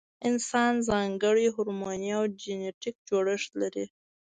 انسان ځانګړی هورموني او جنټیکي جوړښت لري.